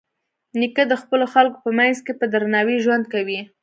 نیکه د خپلو خلکو په منځ کې په درناوي ژوند کوي.